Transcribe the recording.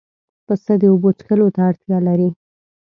پسه د اوبو څښلو ته اړتیا لري.